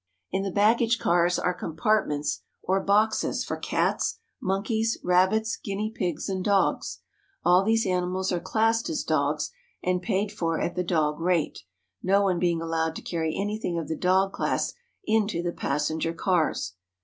In the baggage cars are compartments or boxes for cats, monkeys, rabbits, guinea pigs, and dogs. All these ani mals are classed as dogs and paid for at the dog rate, no one being allowed to carry anything of the dog class into the passenger cars.